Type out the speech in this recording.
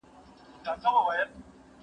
هغه وويل چي سیر ګټور دی؟